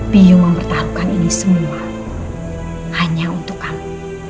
biung mempertaruhkan ini semua hanya untuk kamu